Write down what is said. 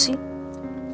sedih banget sih